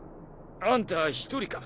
あんた１人か？